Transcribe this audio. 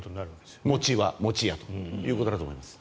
餅は餅屋ということだと思います。